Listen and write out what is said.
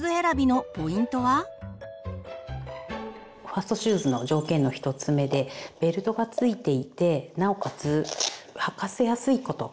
ファーストシューズの条件の１つ目でベルトがついていてなおかつ履かせやすいこと。